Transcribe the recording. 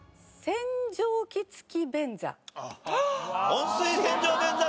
温水洗浄便座